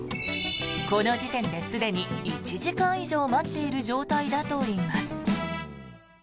この時点で、すでに１時間以上待っている状態だといいます。